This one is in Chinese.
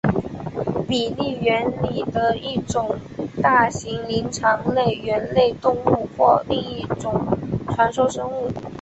比利猿里的一种大型灵长类猿类动物或另一种传说生物。